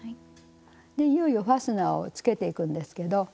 でいよいよファスナーをつけていくんですけど。